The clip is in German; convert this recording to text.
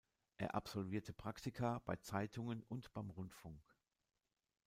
Er absolvierte Praktika bei Zeitungen und beim Rundfunk.